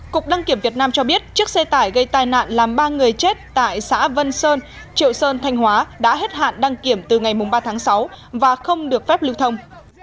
cục đăng kiểm việt nam cho biết chiếc xe tải gây tai nạn làm ba người chết tại xã vân sơn triệu sơn thanh hóa đã hết hạn đăng kiểm từ ngày ba tháng sáu và không được phép lưu thông